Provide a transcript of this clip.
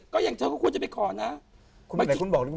ก็อย่างเธอก็ควรจะไปขอนะ